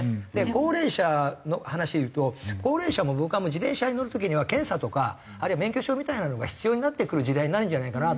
高齢者の話でいうと高齢者も僕はもう自転車に乗る時には検査とかあるいは免許証みたいなのが必要になってくる時代になるんじゃないかなと思いますね。